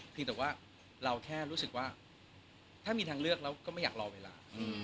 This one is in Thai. แต่ว่าเราแค่รู้สึกว่าถ้ามีทางเลือกเราก็ไม่อยากรอเวลา